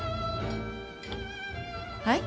はい？